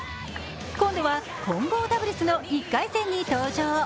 今度は混合ダブルスの１回戦に登場